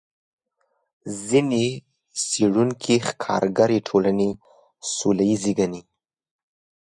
ځینې څېړونکي ښکارګرې ټولنې سوله ییزې ګڼي.